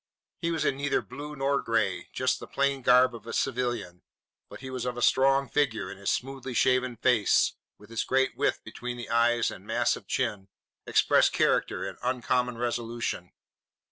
He was in neither blue nor gray, just the plain garb of a civilian, but he was of strong figure and his smoothly shaven face, with its great width between the eyes and massive chin, expressed character and uncommon resolution.